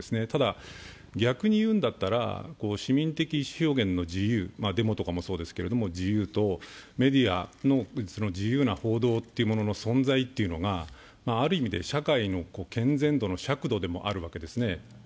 ただ、逆に言うんだったら市民的意思表現の自由、デモとかもそうですけど自由と、メディアの自由な報道というものの存在というのがある意味で社会の健全度の尺度でもあるわけですね。